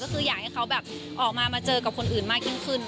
ก็คืออยากให้เขาแบบออกมามาเจอกับคนอื่นมากยิ่งขึ้น